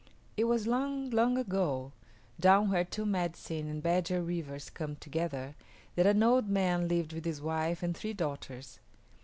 It was long, long ago, down where Two Medicine and Badger Rivers come together, that an old man lived with his wife and three daughters.